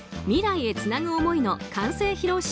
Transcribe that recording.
未来へつなぐ想い」の完成披露